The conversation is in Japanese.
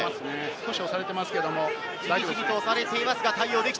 少し押されていますけれども。